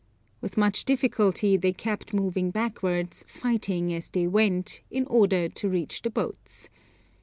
With much difficulty they kept moving backwards, fighting as they went, in order to reach the boats.